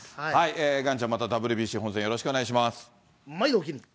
岩ちゃん、またＷＢＣ本戦、よろしくお願いします。